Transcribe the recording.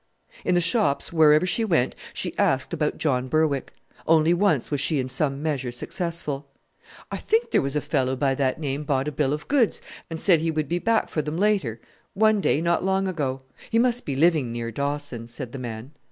In the shops wherever she went she asked about John Berwick. Only once was she in some measure successful. "I think there was a fellow by that name bought a bill of goods and said he would be back for them later, one day, not long ago. He must be living near Dawson," said the man.